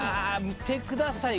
見てください